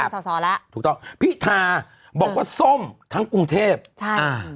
ใช่เป็นศาวแล้วถูกต้องพี่ทาบอกว่าส้มทั้งกรุงเทพฯใช่อ่า